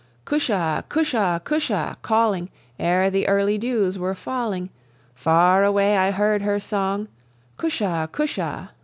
"Cusha! Cusha! Cusha!" calling, Ere the early dews were falling, Farre away I heard her song, "Cusha! Cusha!"